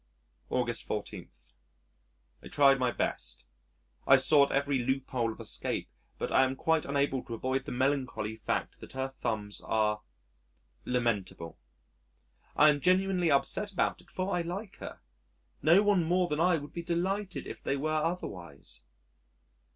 August 14. I tried my best, I've sought every loophole of escape, but I am quite unable to avoid the melancholy fact that her thumbs are lamentable. I am genuinely upset about it for I like her. No one more than I would be more delighted if they were otherwise....